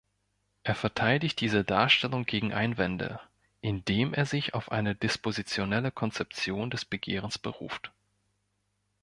Er verteidigt diese Darstellung gegen Einwände, indem er sich auf eine dispositionelle Konzeption des Begehrens beruft.